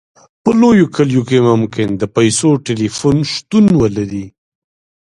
په لویو کلیو کې ممکن د پیسو ټیلیفون شتون ولري